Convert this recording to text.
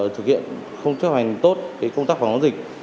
thực hiện không chấp hành tốt công tác phòng chống dịch